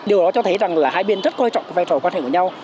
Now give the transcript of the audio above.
điều đó cho thấy rằng là hai bên rất quan trọng về trò quan hệ của nhau